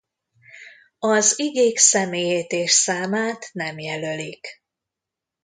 Az igék személyét és számát nem jelölik.